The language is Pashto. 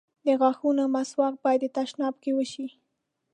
د غاښونو مسواک بايد په تشناب کې وشي.